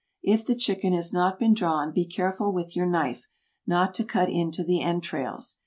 If the chicken has not been drawn be careful with your knife, not to cut into the entrails.